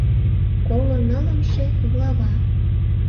КОЛО НЫЛЫМШЕ ГЛАВА